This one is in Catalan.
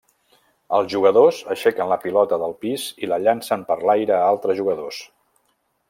Els jugadors aixequen la pilota del pis i la llancen per l'aire a altres jugadors.